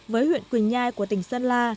với huyện quỳnh nhai của tỉnh sơn la